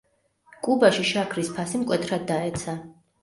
კუბაში შაქრის ფასი მკვეთრად დაეცა.